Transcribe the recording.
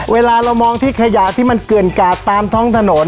เวลาเรามองที่ขยะที่มันเกลื่อนกาดตามท้องถนน